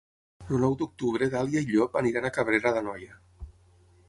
El nou d'octubre na Dàlia i en Llop aniran a Cabrera d'Anoia.